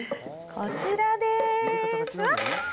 こちらです。